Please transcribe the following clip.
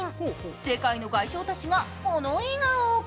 世界の外相たちが、この笑顔。